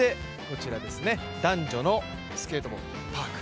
男女のスケートボード、パーク。